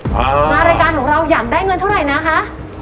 มารายการของเราอยากได้เงินเท่าไหร่นะคะ